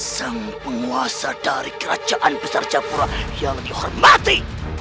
sang penguasa dari kerajaan besar jawa pura yang dihormati